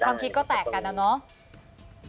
ความคิดก็แตกกันแล้วเนอะ